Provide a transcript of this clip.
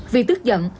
vì tức giận